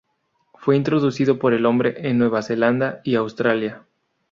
Fue introducido por el hombre en Nueva Zelanda y Australia.